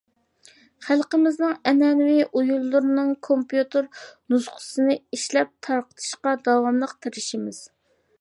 خەلقىمىزنىڭ ئەنئەنىۋى ئويۇنلىرىنىڭ كومپيۇتېر نۇسخىسىنى ئىشلەپ تارقىتىشقا داۋاملىق تىرىشىمىز.